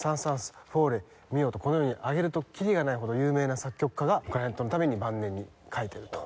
このように挙げるとキリがないほど有名な作曲家がクラリネットのために晩年に書いてると。